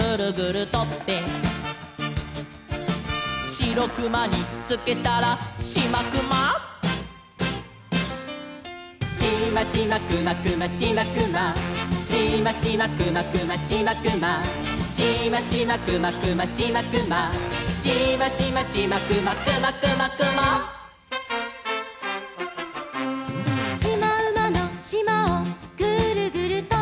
「シロクマにつけたらシマクマ」「シマシマクマクマシマクマ」「シマシマクマクマシマクマ」「シマシマクマクマシマクマ」「シマシマシマクマクマクマクマ」「しまうまのしまをグルグルとって」